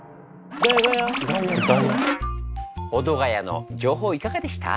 保土ヶ谷の情報いかがでした？